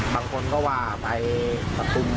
บางคนก็ว่าไปประตุม